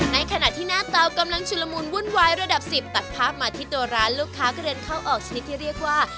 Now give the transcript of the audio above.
ในขณะที่หน้าเตากำลังชุลมูลวุ่นวายระดับ๑๐ตัดภาพมาที่ตัวร้านลูกค้ากระเด็นเข้าออกชนิดที่เรียกว่า